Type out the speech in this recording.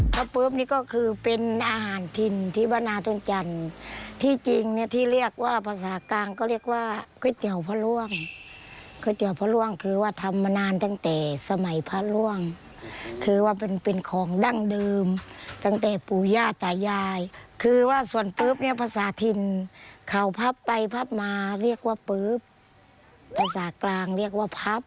ปื๊บนี่ก็คือเป็นอาหารถิ่นที่วัดนาต้นจันทร์ที่จริงเนี่ยที่เรียกว่าภาษากลางก็เรียกว่าก๋วยเตี๋ยวพระร่วงก๋วยเตี๋ยวพระร่วงคือว่าทำมานานตั้งแต่สมัยพระร่วงคือว่าเป็นเป็นของดั้งเดิมตั้งแต่ปู่ย่าตายายคือว่าส่วนปึ๊บเนี่ยภาษาถิ่นเขาพับไปพับมาเรียกว่าปุ๊บภาษากลางเรียกว่าพับ